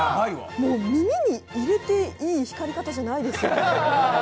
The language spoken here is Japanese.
もう、耳に入れていい光り方じゃないですよね。